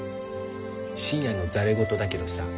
深夜のざれ言だけどさ。